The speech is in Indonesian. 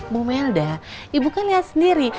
bumelda ibu kan lihat sendiri